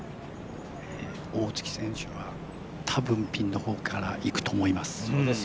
大槻選手は多分、ピンの方からいくと思います。